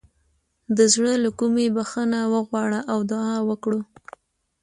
د زړه له کومې بخښنه وغواړو او دعا وکړو.